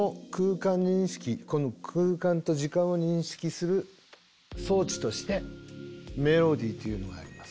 この空間と時間を認識する装置としてメロディーというのがあります。